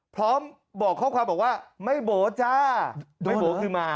พร้อมบอกข้อความบอกว่าไม่โบ๋จ้าไม่โบ๋คือมา